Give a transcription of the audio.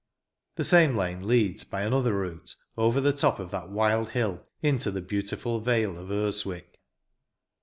The same lane leads, by another route, over the top of that wild hill, into the beautiful vale of Urswick.